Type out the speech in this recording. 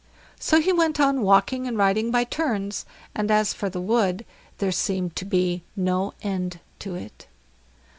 So he went on walking and riding by turns, and as for the wood there seemed to be no end to it.